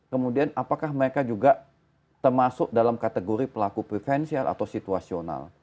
kemudian apakah mereka juga termasuk dalam kategori pelaku prevensial atau situasional